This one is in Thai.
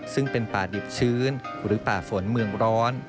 ซึ่งเป็นป่าดิบชื้นหรือป่าฝนเมืองร้อน